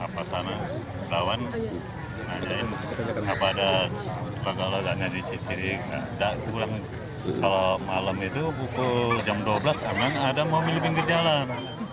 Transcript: pada jam dua belas ada mobil yang berjalan